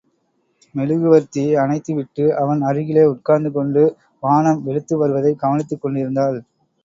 மெழுகுவர்த்தியை அணைத்துவிட்டு அவன் அருகிலே உட்கார்ந்து கொண்டு வானம் வெளுத்து வருவதைக் கவனித்துக் கொண்டிருந்தாள்.